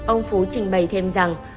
ông phú trình bày thêm rằng